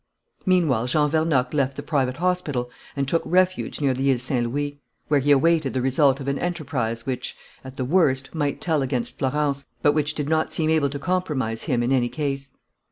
"Meanwhile, Jean Vernocq left the private hospital and took refuge near the Ile Saint Louis, where he awaited the result of an enterprise which, at the worst, might tell against Florence, but which did not seem able to compromise him in any case.